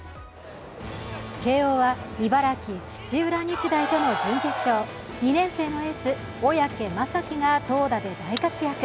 慶応は茨城、土浦日大との準決勝２年生のエース・小宅が小宅雅己が投打で大活躍。